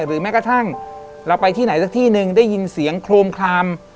แม้กระทั่งเราไปที่ไหนสักที่หนึ่งได้ยินเสียงโครมคลาม